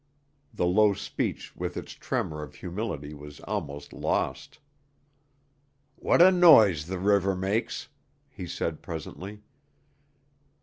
The low speech with its tremor of humility was almost lost. "What a noise the river makes!" he said presently.